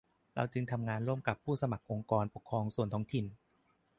เราจึงทำงานร่วมกับผู้สมัครองค์กรปกครองส่วนท้องถิ่น